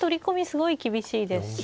すごい厳しいですし。